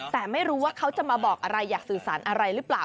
แต่ไม่รู้ว่าเขาจะมาบอกอะไรอยากสื่อสารอะไรหรือเปล่า